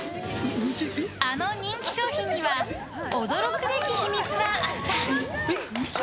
あの人気商品には驚くべき秘密があった。